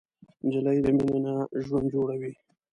نجلۍ له مینې نه ژوند جوړوي.